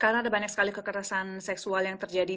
karena ada beberapa kekerasan seksual yang terjadi